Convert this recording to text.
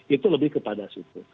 itu lebih kepada situ